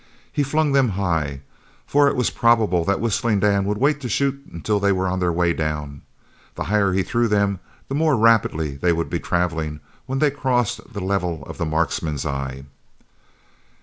He flung them high, for it was probable that Whistling Dan would wait to shoot until they were on the way down. The higher he threw them the more rapidly they would be travelling when they crossed the level of the markman's eye.